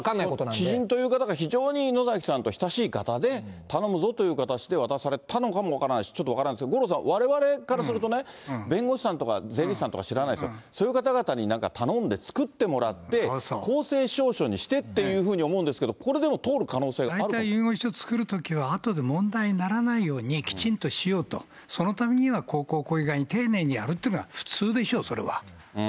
知人という方が非常に野崎さんと親しい方で、頼むぞという形で渡されたのかも分からないし、ちょっと分からないですが、五郎さん、われわれからするとね、弁護士さんとか税理士さんとか知らないですよ、そういう方々に何か頼んで作ってもらって、公正証書にしてっていうふうに思うんですけど、これでも通る可能大体遺言書作るときは、あとで問題にならないようにきちんとしようと、そのためには、こうこうこういうふうに丁寧にやるというが普通でしょ、それは。